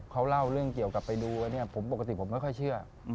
เขาเล่าเรื่องเกี่ยวกับไปดูอันนี้ผมปกติผมไม่ค่อยเชื่อ